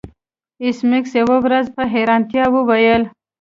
ایس میکس یوه ورځ په حیرانتیا وویل